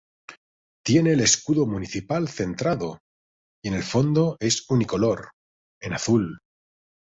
Tiene el escudo municipal centrado, y el fondo es unicolor, en azul.